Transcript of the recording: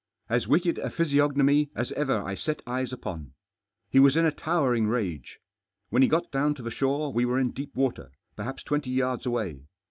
As wicked a physiognomy as ever I set eyes upon. He was in a towering rage. When he got down to the shore we were in deep water, perhaps twenty yards away.